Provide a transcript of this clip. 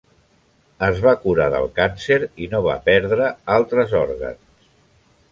Es va curar del càncer i no va perdre altres òrgans.